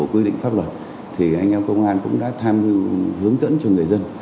quy định pháp luật thì anh em công an cũng đã tham hướng dẫn cho người dân